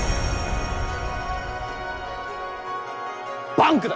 バンクだ。